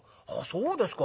そうですか。